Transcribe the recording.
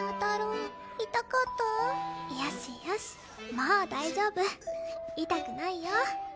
もう大丈夫痛くないよ。